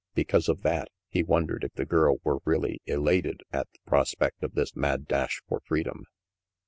Because of that, he wondered if the girl were really elated at the prospect of this mad dash for freedom.